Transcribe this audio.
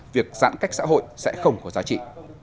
việc giãn cách xã hội sẽ không có giá trị